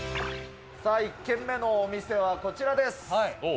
１軒目のお店はこちらです。